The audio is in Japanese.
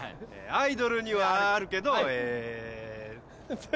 アイドルにはあるけどえ。